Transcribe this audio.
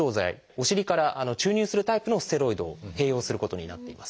お尻から注入するタイプのステロイドを併用することになっています。